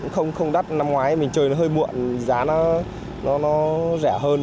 không đắt năm ngoái mình chơi nó hơi muộn giá nó rẻ hơn